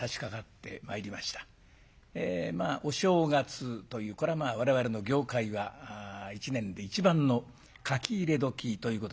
まあお正月というこれはまあ我々の業界は一年で一番の書き入れ時ということになるんでございますが。